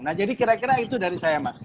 nah jadi kira kira itu dari saya mas